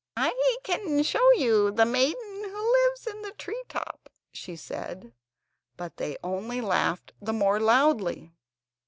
"I can show you the maiden who lives in the tree top," she said, but they only laughed the more loudly.